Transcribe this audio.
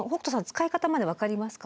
使い方まで分かりますか？